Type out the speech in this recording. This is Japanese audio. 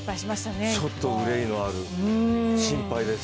ちょっと憂いのある心配です。